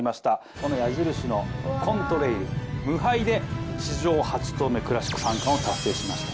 この矢印のコントレイル無敗で史上８頭目クラシック三冠を達成しました